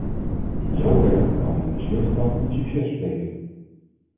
In zoverre kan men beslist van een succes spreken.